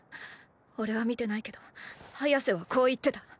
おれは見てないけどハヤセはこう言ってた。